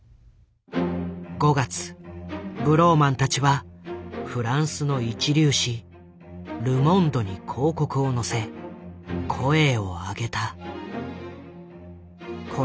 ５月ブローマンたちはフランスの一流紙「ル・モンド」に広告を載せ声を上げた。